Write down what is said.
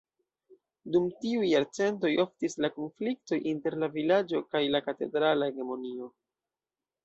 Dum tiuj jarcento oftis la konfliktoj inter la vilaĝo kaj la katedrala hegemonio.